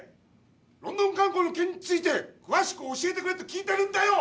ロンドン観光の件について詳しく教えてくれって聞いてるんだよ！